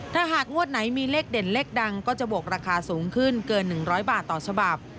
ถ้าหากงวดไหนมีเลขเด่นเลขดังก็จะบวกราคาสูงขึ้นเกิน๑๐๐บาทต่อฉบับ